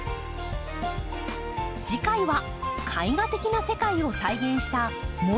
次回は絵画的な世界を再現したモネの庭。